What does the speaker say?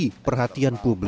isu kudeta partai demokrat